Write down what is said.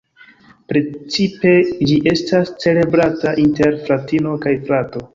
Principe ĝi estas celebrata inter fratino kaj frato.